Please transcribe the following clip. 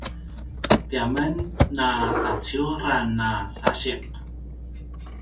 tiamen a taciuran a sasiq